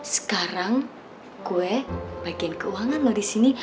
sekarang gue bagian keuangan lo disini